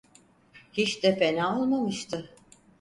Hiç de fena olmamıştı.